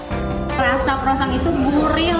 rasa kerosong itu gurih